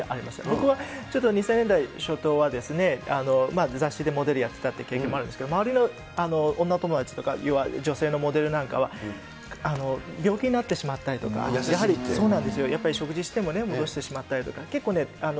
僕はちょっと２０００年代初頭は雑誌でモデルやってたという経験もあるんですけど、周りの女友達とか、要は女性のモデルなんかは、病気になってしまったりとか、やはり食事しても戻してしまったりとか。